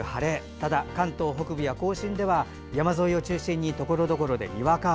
ただ、関東北部や甲信では山沿いを中心にところどころでにわか雨。